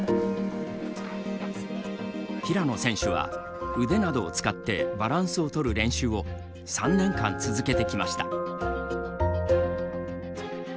平野選手は、腕などを使ってバランスを取る練習を３年間続けてきました。